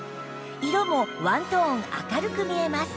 色もワントーン明るく見えます